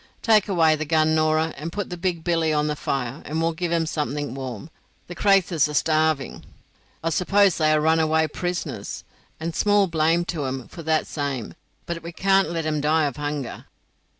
"Take away the gun, Norah, and put the big billy on the fire, and we'll give 'em something warm. The craythurs are starving. I suppose they are runaway prisoners, and small blame to 'em for that same, but we can't let 'em die of hunger."